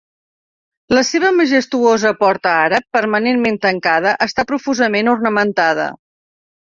La seva majestuosa porta àrab, permanentment tancada, està profusament ornamentada.